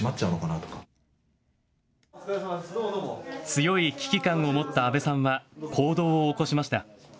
強い危機感を持った阿部さんは行動を起こしました。